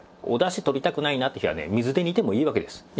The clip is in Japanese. おだしとりたくないなって日はね水で煮てもいいわけです。